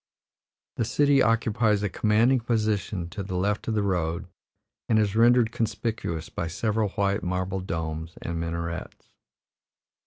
The city occupies a commanding position to the left of the road, and is rendered conspicuous by several white marble domes and minarets.